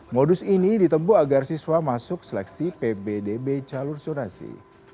modus ini ditemukan agar siswa masuk seleksi pbdb calon surasi